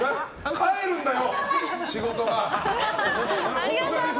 帰るんだよ！